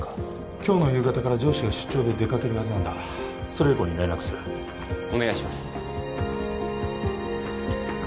今日の夕方から上司が出張で出かけるはずなんだそれ以降に連絡するお願いします